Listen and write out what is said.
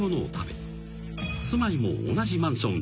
［住まいも同じマンション。